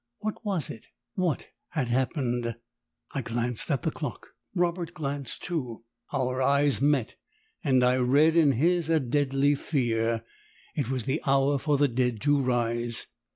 What was it? What had happened? I glanced at the clock, Robert glanced too; our eyes met, and I read in his a deadly fear; it was the hour for the dead to rise.